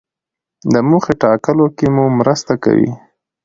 د موخې ټاکلو کې مو مرسته کوي.